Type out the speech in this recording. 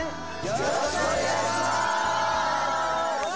よろしくお願いします！